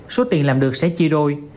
số tiền làm được sẽ chia đôi